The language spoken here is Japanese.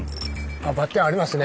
あバッテンありますね。